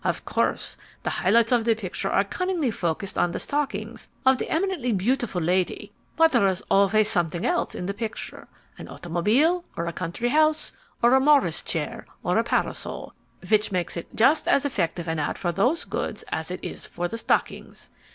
Of course the high lights of the picture are cunningly focussed on the stockings of the eminently beautiful lady; but there is always something else in the picture an automobile or a country house or a Morris chair or a parasol which makes it just as effective an ad for those goods as it is for the stockings.